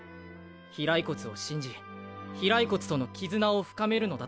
飛来骨を信じ飛来骨との絆を深めるのだと。